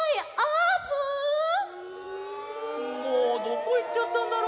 もうどこいっちゃったんだろ？